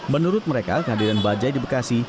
menurut mereka kehadiran bajai di bekasi